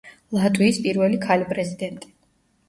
ლატვიის პირველი ქალი-პრეზიდენტი.